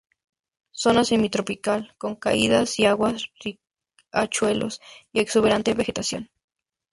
Zona semitropical con caídas de agua, riachuelos y exuberante vegetación.